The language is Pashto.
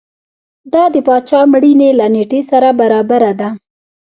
دا د پاچا مړینې له نېټې سره برابره ده.